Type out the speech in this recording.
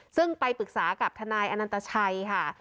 ซึ่งไปปรึกษากับทนายอนันตชัยค่ะ